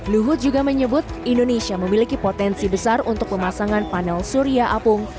luhut juga menyebut indonesia memiliki potensi besar untuk pemasangan panel surya apung